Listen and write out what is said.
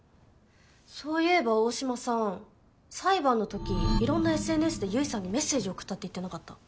そういえば大島さん裁判の時いろんなＳＮＳで結衣さんにメッセージを送ったって言ってなかった？